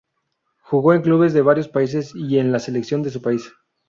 Jugó en clubes de varios países y en la selección de su país.